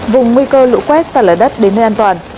vùng nguy cơ lũ quét sạt lở đất đến nơi an toàn